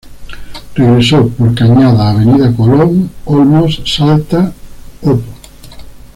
Regreso: Por Cañada, Avenida Colón, Olmos, Salta, Ob.